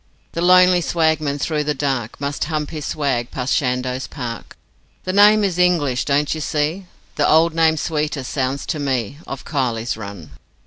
The lonely swagman through the dark Must hump his swag past Chandos Park. The name is English, don't you see, The old name sweeter sounds to me Of 'Kiley's Run'.